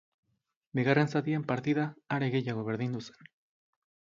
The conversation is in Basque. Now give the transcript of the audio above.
Bigarren zatian partida are gehiago berdindu zen.